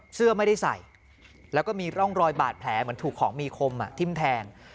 เสื้อไม่ได้ใส่แล้วก็มีร่องรอยบาดแผลเหมือนถูกของมีคมทิ้มแทง